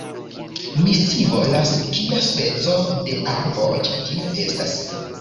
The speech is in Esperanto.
Mi scivolas, kia speco de arbo, ĉi tio estas